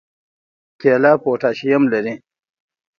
کیله پوټاشیم لري